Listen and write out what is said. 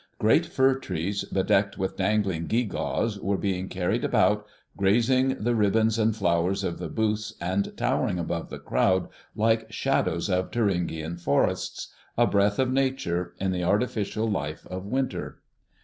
Great fir trees bedecked with dangling gewgaws were being carried about, grazing the ribbons and flowers of the booths and towering above the crowd like shadows of Thuringian forests, a breath of Nature in the artificial life of winter.